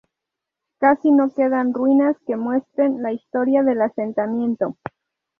Casi no quedan ruinas que muestren la historia del asentamiento.